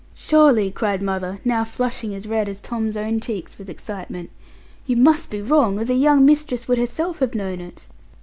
'Surely,' cried mother, now flushing as red as Tom's own cheeks with excitement, 'you must be wrong, or the young mistress would herself have known it.'